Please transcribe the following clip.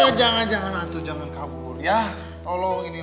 eh tuh jangan jangan antu jangan kabur ya tolong ini mah